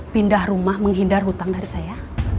pindah rumah menghindar hutang dari saya